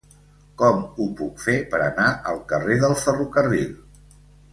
Com ho puc fer per anar al carrer del Ferrocarril?